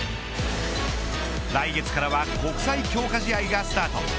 来月からは国際強化試合がスタート。